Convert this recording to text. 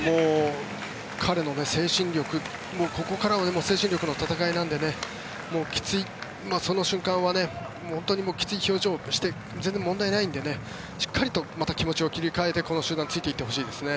彼の精神力、ここからは精神力の戦いなのでその瞬間は本当にきつい表情をしても全然問題ないのでしっかり気持ちを切り替えてこの集団についていってほしいですね。